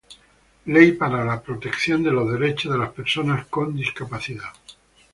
Ley para la protección de los Derechos de las Personas con Discapacidad.